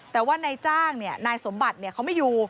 แต่ว่านายจ้างนายสมบัติเขาไม่อยู่